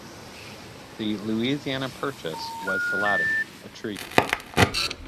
The Louisiana Purchase was the latter, a treaty.